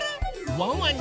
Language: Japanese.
ワンワン